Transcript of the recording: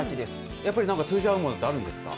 やっぱりなんか通じ合うものってあるんですか？